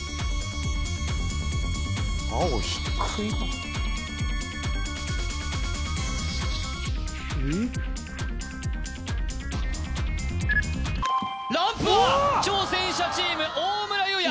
青低いなランプは挑戦者チーム大村優也